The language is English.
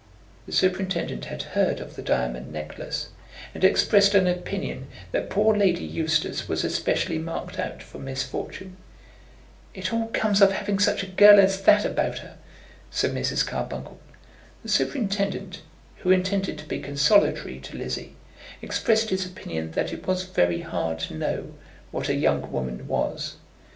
The superintendent had heard of the diamond necklace, and expressed an opinion that poor Lady Eustace was especially marked out for misfortune. "It all comes of having such a girl as that about her," said Mrs. Carbuncle. The superintendent, who intended to be consolatory to Lizzie, expressed his opinion that it was very hard to know what a young woman was.